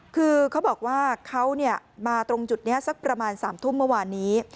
คือเขาบอกว่าเขามาตรงจุดนี้สักประมาณ๓ทุ่มเมื่อวานนี้